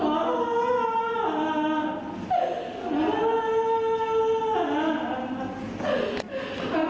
อ่า